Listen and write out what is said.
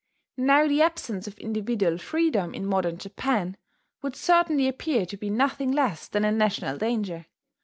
Now the absence of individual freedom in modern Japan would certainly appear to be nothing less than a national danger.